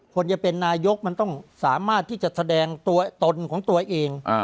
คนจะเป็นนายกมันต้องสามารถที่จะแสดงตัวตนของตัวเอง